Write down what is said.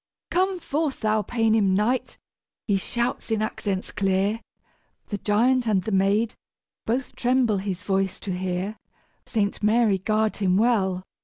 "Come forth, thou Paynim knight!" he shouts in accents clear. The giant and the maid both tremble his voice to hear. Saint Mary guard him well!